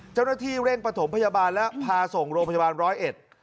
เจ้าหน้าที่เร่งประถมพยาบาลและพาส่งโรงพยาบาลร้อยเอ็ด